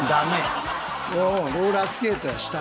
ローラースケートや下が。